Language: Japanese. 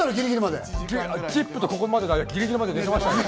『ＺＩＰ！』とここまでの間、ギリギリまで寝てましたね。